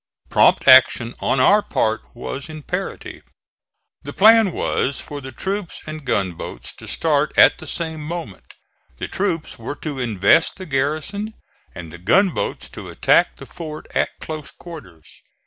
Prompt action on our part was imperative. The plan was for the troops and gunboats to start at the same moment. The troops were to invest the garrison and the gunboats to attack the fort at close quarters.